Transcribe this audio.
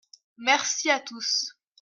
Merci à tous.